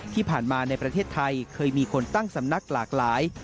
ที่ผ่านมาในประเทศไทยเคยมีคนตั้งสำนักหลากหลาย